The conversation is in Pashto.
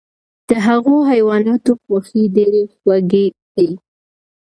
د هغو حیواناتو غوښې ډیرې خوږې دي،